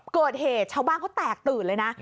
เกิดเหตุชาวบ้านเขาแตกตื่นเลยนะ